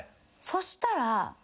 そしたら。